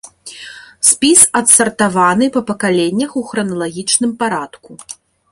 Спіс адсартаваны па пакаленнях у храналагічным парадку.